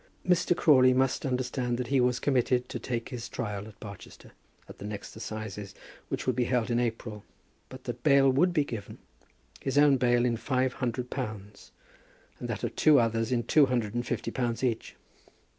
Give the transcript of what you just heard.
Mr. Crawley must understand that he was committed to take his trial at Barchester, at the next assizes, which would be held in April, but that bail would be taken; his own bail in five hundred pounds, and that of two others in two hundred and fifty pounds each.